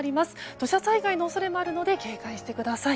土砂災害の恐れもありますので警戒してください。